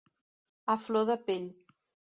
A flor de pell.